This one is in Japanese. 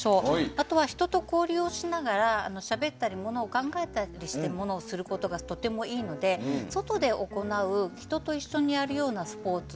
あとは人と交流をしながらしゃべったりものを考えたりすることがとてもいいので外で行う人と一緒にやるようなスポーツ。